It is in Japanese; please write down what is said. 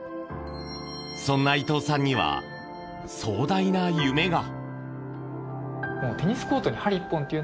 そんな伊藤さんには壮大な夢が。